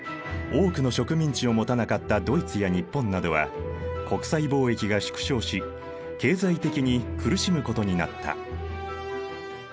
多くの植民地を持たなかったドイツや日本などは国際貿易が縮小し経済的に苦しむことになった。